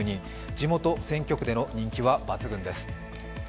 地元選挙区での人気は抜群です。